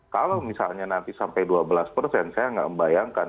kalau misalnya nanti sampai dua belas persen saya nggak membayangkan